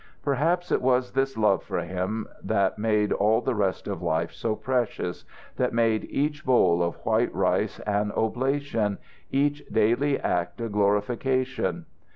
Perhaps it was this love for him that made all the rest of life so precious, that made each bowl of white rice an oblation, each daily act a glorification.